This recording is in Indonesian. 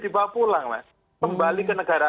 tiba pulang mas kembali ke negara